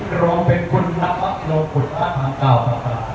พร้อมเป็นคุณภรรพลวงฝุ่นภาคทางเก้าภรรกาย